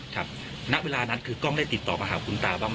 ครับณเวลานั้นคือกล้องได้ติดต่อมาหาคุณตาบ้างไหม